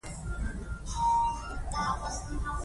د امپراتور سره مخالفت بیا هم نهادینه نه شو.